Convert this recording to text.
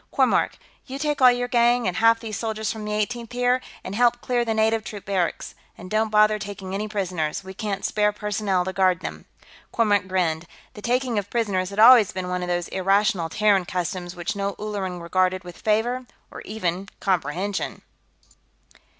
Kormork, you take all your gang, and half these soldiers from the Eighteenth, here, and help clear the native troops barracks. And don't bother taking any prisoners; we can't spare personnel to guard them." Kormork grinned. The taking of prisoners had always been one of those irrational Terran customs which no Ulleran regarded with favor, or even comprehension.